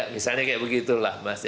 misalnya kayak begitu lah mas